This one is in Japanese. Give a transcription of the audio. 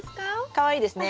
かわいいですね。